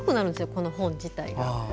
この本自体が。